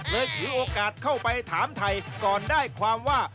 ถือโอกาสเข้าไปถามไทยก่อนได้ความว่า